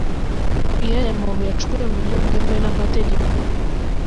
Iyo aya mabuye acukuwe mu buryo bwemewe n’amategeko